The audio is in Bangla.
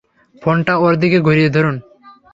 ফোনটা ওর দিকে ঘুরিয়ে ধরুন।